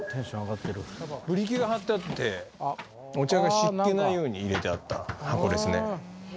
ブリキが張ってあって、お茶が湿気ないように入れてあった箱ですね。